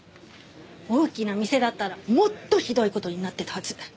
大きな店だったらもっとひどい事になってたはず。